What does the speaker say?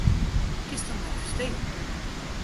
Kinsto my ferstean?